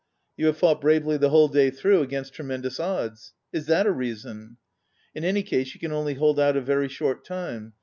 You have fought bravely the whole day through against tremendous odds. Is that a reason? In any case you can only hold out a very short time.